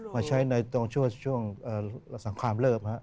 มาใช้ในตรงช่วงสังครามเลิฟ